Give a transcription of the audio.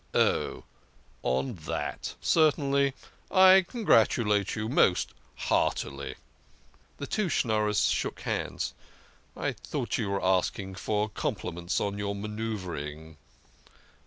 "Oh, on that? Certainly, I congratulate you most heartily." The two Schnorrers shook hands. " I thought you were asking for compliments on your manoeuvring."